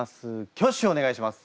挙手をお願いします。